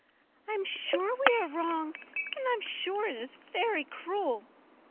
"I am sure we are wrong, I am sure it is very cruel."